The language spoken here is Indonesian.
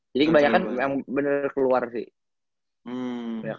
jadi kebanyakan yang bener keluar sih